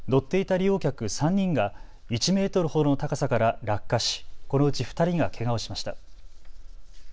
利用客３人が１メートルほどの高さから落下しこのうち２人がけがをしました。